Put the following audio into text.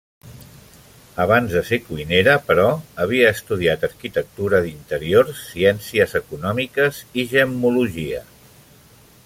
Abans de ser cuinera, però, havia estudiat arquitectura d'interiors, ciències econòmiques i gemmologia.